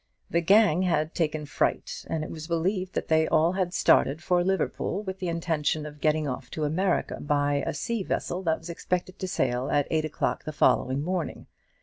The gang had taken fright, and it was believed that they had all started for Liverpool, with the intention of getting off to America by a vessel that was expected to sail at eight o'clock the following morning.